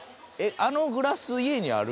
あのグラス家にある？